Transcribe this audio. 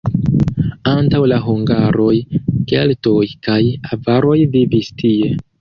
Antaŭ la hungaroj keltoj kaj avaroj vivis tie.